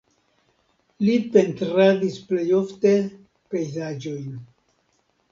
Li pentradis plej ofte pejzaĝojn.